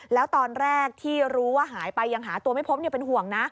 แล้วตอนแรกที่รู้ว่าหายไปยังหาตัวไม่พบเป็นห่วงนะ